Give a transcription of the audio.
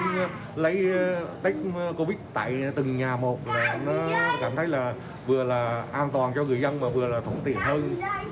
do là trời mưa bão nên là các nhân viên y tế bộ phường xung lấy covid tại từng nhà một nó cảm thấy là vừa là an toàn cho người dân và vừa là phóng tiện hơn